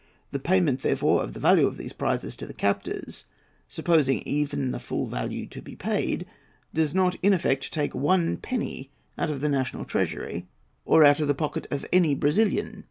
The payment, therefore, of the value of these prizes to the captors, supposing even the full value to be paid, does not in effect take one penny out of the national treasury, or out of the pocket of any Brazilian.